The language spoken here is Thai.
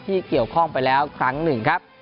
ที่เกี่ยวข้องไปแล้วครั้งหนึ่งครับ